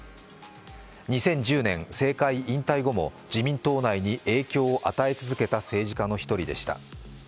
２０１０年、政界引退後も自民党内に影響を与え続けた政治家の１人でした。